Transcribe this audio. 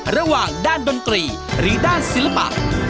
ระหว่างด้านดนตรีหรือด้านศิลปะ